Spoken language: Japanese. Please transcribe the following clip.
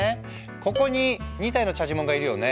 ここに２体のチャジモンがいるよね。